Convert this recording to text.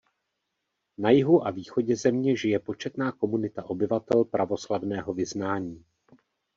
Na jihu a východě země žije početná komunita obyvatel pravoslavného vyznání.